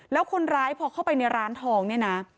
แล้วคนร้ายพอเข้าไปในร้านทองเนี่ยนะ